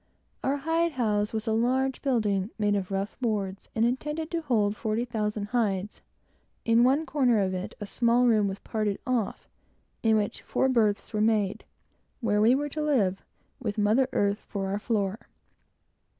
Our hide house was a large building, made of rough boards, and intended to hold forty thousand hides. In one corner of it, a small room was parted off, in which four berths were made, where we were to live, with mother earth for our floor.